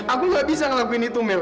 aku gak bisa ngelakuin itu mail